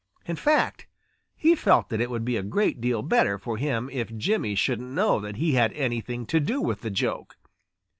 In fact, he felt that it would be a great deal better for him if Jimmy shouldn't know that he had anything to do with the joke.